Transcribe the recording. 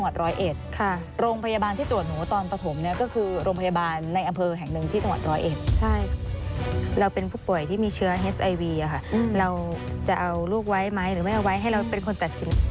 เดี๋ยวมาใกล้เดี๋ยวติดอะไรงี้ค่ะ